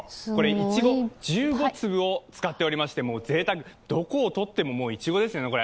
いちご１５粒を使っておりましてぜいたく、どこをとってももう、いちごですよ、これ。